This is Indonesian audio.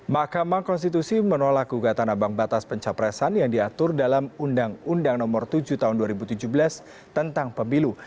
mahkamah konstitusi menolak gugatan abang batas pencapresan yang diatur dalam undang undang nomor tujuh tahun dua ribu tujuh belas tentang pemilu